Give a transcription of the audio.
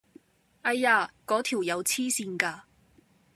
唉呀！果條友痴線㗎！